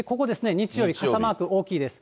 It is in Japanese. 日曜日、傘マーク大きいです。